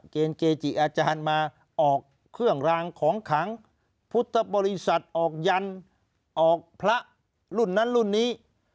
เกณฑ์เกจิอาจารย์มาออกเครื่องรางของขังพุทธบริษัทออกยันออกพระรุ่นนั้นรุ่นนี้